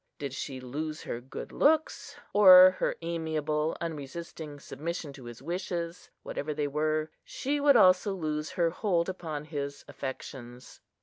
Did she lose her good looks, or her amiable unresisting submission to his wishes, whatever they were, she would also lose her hold upon his affections.